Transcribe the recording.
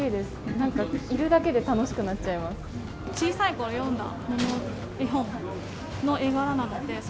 なんかいるだけで楽しくなっちゃいます。